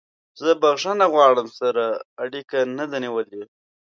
زه بخښنه غواړم ما سره اړیکه نه ده نیولې.